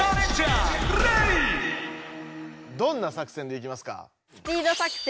どんな作戦でいきますか？